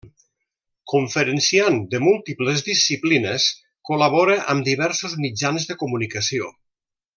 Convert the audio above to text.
Conferenciant de múltiples disciplines, col·labora amb diversos mitjans de comunicació.